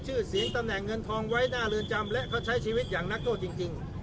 ชื่อเสียงตำแหน่งเงินทองไว้หน้าเรือนจำและเขาใช้ชีวิตอย่างนักโทษจริง